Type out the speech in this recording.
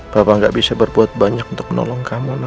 papa gak bisa berbuat banyak untuk menolong kamu nak